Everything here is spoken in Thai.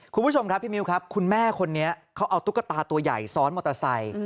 คุณผู้ชมครับพี่มิวครับคุณแม่คนนี้เขาเอาตุ๊กตาตัวใหญ่ซ้อนมอเตอร์ไซค์